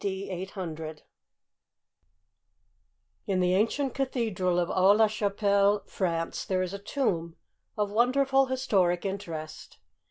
D. 800. T N the ancient cathedral of Aix la Chapelle, France, there is a tomb of wonderful historic interest.